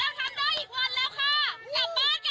แล้วทำได้อีกวันแล้วนะฮะ